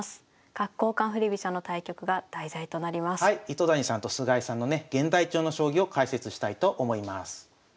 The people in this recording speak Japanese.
糸谷さんと菅井さんのね現代調の将棋を解説したいと思います。